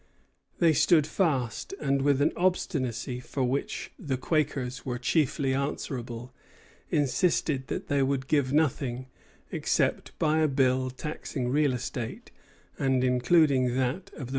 They stood fast; and with an obstinacy for which the Quakers were chiefly answerable, insisted that they would give nothing, except by a bill taxing real estate, and including that of the proprietaries.